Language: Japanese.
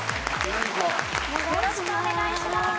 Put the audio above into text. よろしくお願いします。